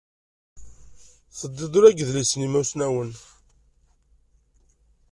Teddiḍ-d ula deg yidlisen n yimusnawen.